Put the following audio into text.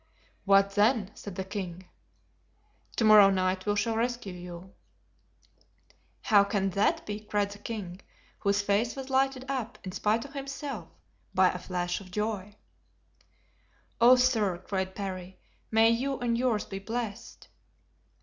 "What then?" said the king. "To morrow night we shall rescue you." "How can that be?" cried the king, whose face was lighted up, in spite of himself, by a flash of joy. "Oh! sir," cried Parry, "may you and yours be blessed!"